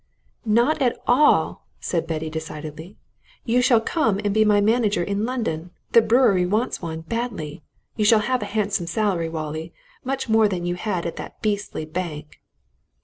"Not at all!" said Betty decidedly. "You shall come and be my manager in London. The brewery wants one, badly. You shall have a handsome salary, Wallie much more than you had at that beastly bank!"